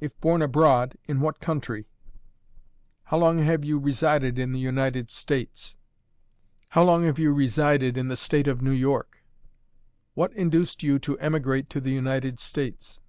"If born abroad, in what country? "How long have you resided in the United States? "How long have you resided in the State of New York? "What induced you to emigrate to the United States?